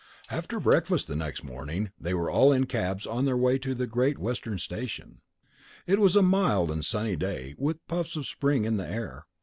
After breakfast the next morning they were all in cabs on their way to the Great Western Station. It was a mild and sunny day, with puffs of spring in the air.